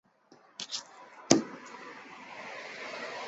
曾有尝试将有关的蝴蝶引入加利福尼亚甜灰蝶以往的栖息地。